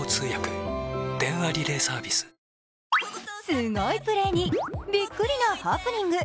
すごいプレーにびっくりのハプニング。